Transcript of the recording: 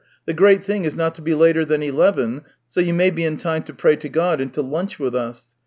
The great thing is not to be later than eleven, so you may be in time to pray to God and to lunch with us.